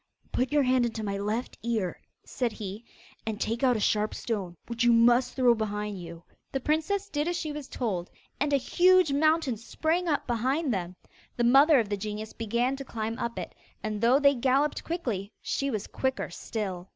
'Put your hand into my left ear,' said he, 'and take out a sharp stone, which you must throw behind you.' The princess did as she was told, and a huge mountain sprang up behind them. The mother of the genius began to climb up it, and though they galloped quickly, she was quicker still.